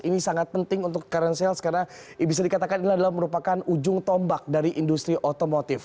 ini sangat penting untuk curent sales karena bisa dikatakan ini adalah merupakan ujung tombak dari industri otomotif